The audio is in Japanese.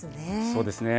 そうですね。